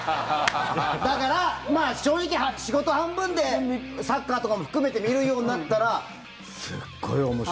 だから正直、仕事半分でサッカーとかも含めて見るようになったらすっごい面白い。